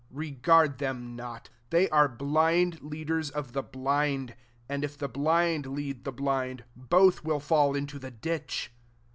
14 Regard them not: they are blind leaders of the blind : and if the blind lead the blind, both will fall into Ifee ditch."